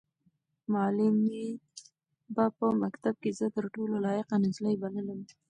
معلمې به په مکتب کې زه تر ټولو لایقه نجلۍ بللم.